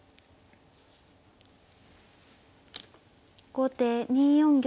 後手２四玉。